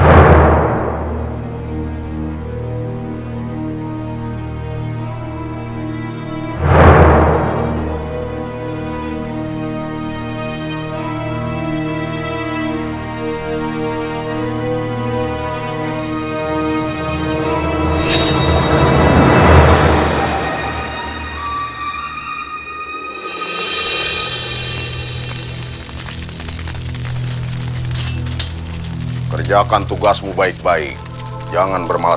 kau bisa bayangkan siapa yang menjadi pegawai